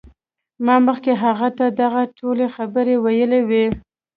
ما مخکې هغه ته دغه ټولې خبرې ویلې وې